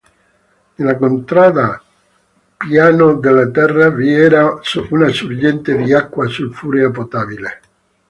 Nella contrada "Piano delle Terre" vi era una sorgente di acqua sulfurea potabile.